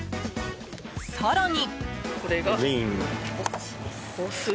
更に。